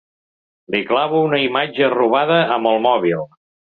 Li clavo una imatge robada amb el mòbil.